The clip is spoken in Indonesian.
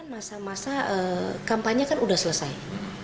masa masa kampanye kan sudah selesai